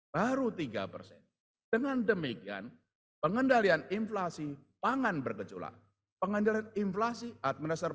tiga baru tiga dengan demikian pengendalian inflasi pangan berkecuali pengendalian inflasi administer